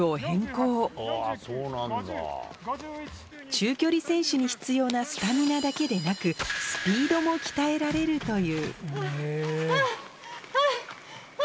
中距離選手に必要なスタミナだけでなくスピードも鍛えられるというハァ！